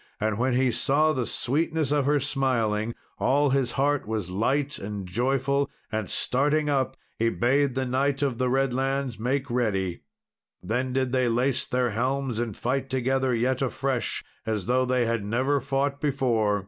And when he saw the sweetness of her smiling, all his heart was light and joyful, and starting up, he bade the Knight of the Redlands make ready. Then did they lace their helms and fight together yet afresh, as though they had never fought before.